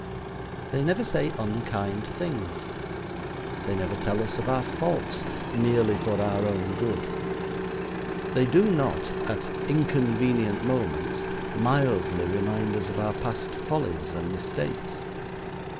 They never say unkind things. They never tell us of our faults, "merely for our own good." They do not at inconvenient moments mildly remind us of our past follies and mistakes.